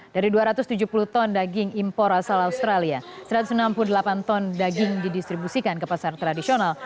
dari dua ratus tujuh puluh ton daging impor asal australia satu ratus enam puluh delapan ton daging didistribusikan ke pasar tradisional